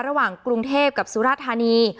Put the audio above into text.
ระหว่างกรุงเทพกับสุราธานี